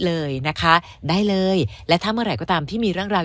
เลยนะคะได้เลยและถ้าเมื่อไหร่ก็ตามที่มีเรื่องราว